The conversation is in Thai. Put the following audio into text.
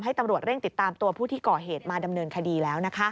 ตำรวจเร่งติดตามตัวผู้ที่ก่อเหตุมาดำเนินคดีแล้วนะคะ